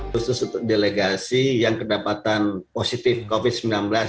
khusus untuk delegasi yang kedapatan positif covid sembilan belas